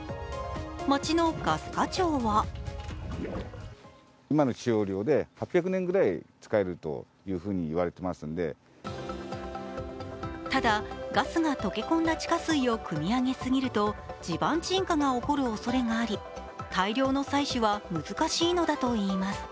町のガス課長はただ、ガスが溶け込んだ地下水をくみ上げすぎると地盤沈下が起こるおそれがあり、大量の採取は難しいのだといいます。